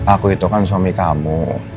aku itu kan suami kamu